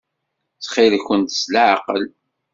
Ttxil-kent s leɛqel.